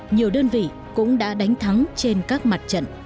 nhiều đơn vị cũng đã đánh thắng trên các mặt trận